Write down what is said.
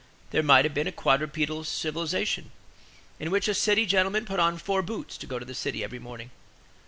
There might have been a quadrupedal civilization, in which a city gentleman put on four boots to go to the city every morning.